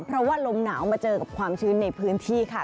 เพราะว่าลมหนาวมาเจอกับความชื้นในพื้นที่ค่ะ